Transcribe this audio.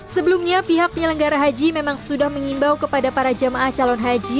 sebelumnya pihak penyelenggara haji memang sudah mengimbau kepada para jamaah calon haji